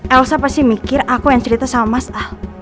elsa pasti mikir aku yang cerita sama mas ah